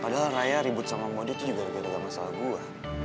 padahal raya ribut sama mondi itu juga lebih lega masalah gue